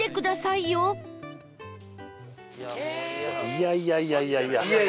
いやいやいやいや。